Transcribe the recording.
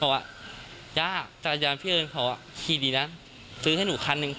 ว่าย่าจักรยานพี่เอิญเขาขี่ดีนะซื้อให้หนูคันหนึ่ง